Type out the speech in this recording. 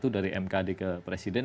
dari mkad ke presiden